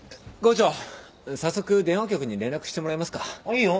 いいよ。